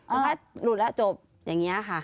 หนูภาษาหลุดแล้วจบยังงี้ล่ะคะ